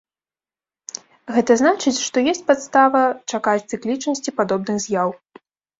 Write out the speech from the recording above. Гэта значыць, што ёсць падстава чакаць цыклічнасці падобных з'яў.